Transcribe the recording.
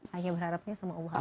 hanya berharapnya sama allah